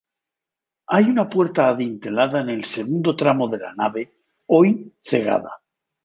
Hay una puerta adintelada en el segundo tramo de la nave, hoy cegada.